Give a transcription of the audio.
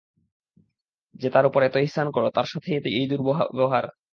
যে তার উপর এতো ইহসান করল তার সাথেই এই দুর্ব্যবহার!